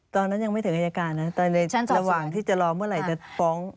ตอนนั้นยังไม่ถึงอายการนะระหว่างที่จะรอเมื่อไหร่จะฟ้อง